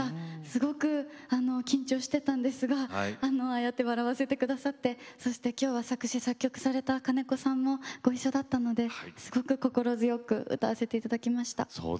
すごく緊張してたんですがああやって笑わせてくださってそしてきょうは作詞・作曲された金子さんもご一緒だったのですごく心強く歌わせていただきました。